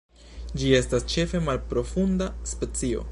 Ĝi estas ĉefe malprofunda specio.